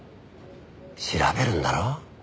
調べるんだろ？